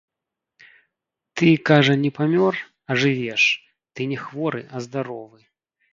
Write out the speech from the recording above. Ты, кажа, не памёр, а жывеш, ты не хворы, а здаровы!